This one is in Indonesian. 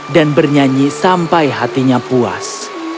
dan bernyanyi sampai hatinya puas